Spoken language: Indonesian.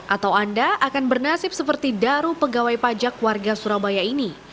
atau anda akan bernasib seperti daru pegawai pajak warga surabaya ini